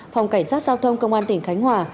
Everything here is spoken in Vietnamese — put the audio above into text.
phòng cảnh sát giao thông công an tỉnh khánh hòa